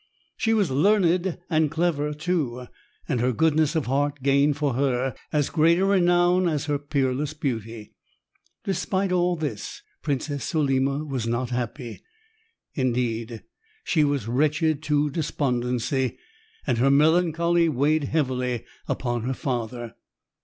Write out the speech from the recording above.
She was learned and clever, too, and her goodness of heart gained for her as great a renown as her peerless beauty. Despite all this, Princess Solima was not happy. Indeed, she was wretched to despondency, and her melancholy weighed heavily upon her father.